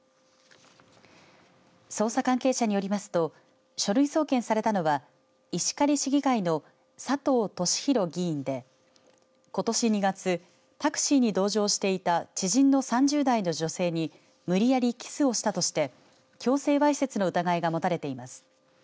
捜査関係者によりますと書類送検されたのは石狩市議会の佐藤俊浩議員でことし２月タクシーに同乗していた知人の３０代の女性に無理やりキスをしたとして強制わいせつの疑いが持たれています。